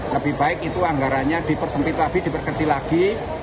lebih baik itu anggaranya dipersempit lagi diperkecil lagi